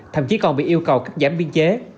thậm chí còn bị yêu cầu cắt giảm biên chế